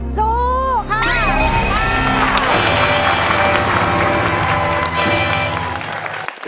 สู้ค่ะ